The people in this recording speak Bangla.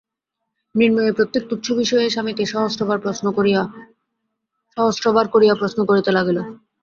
মৃন্ময়ী প্রত্যেক তুচ্ছ বিষয়ে স্বামীকে সহস্রবার করিয়া প্রশ্ন করিতে লাগিল।